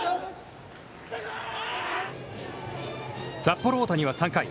札幌大谷は３回。